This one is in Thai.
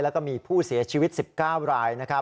แล้วก็มีผู้เสียชีวิต๑๙ราย